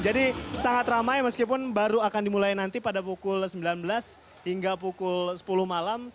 jadi sangat ramai meskipun baru akan dimulai nanti pada pukul sembilan belas hingga pukul sepuluh malam